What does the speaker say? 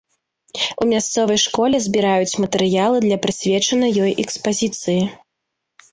У мясцовай школе збіраюць матэрыялы для прысвечанай ёй экспазіцыі.